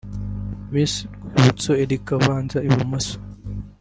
Miss Rwibutso Erica (ubanza ibumoso)